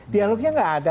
dialognya tidak ada